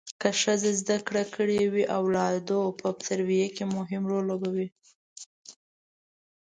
که ښځه زده کړې کړي وي اولادو په تربیه کې مهم رول لوبوي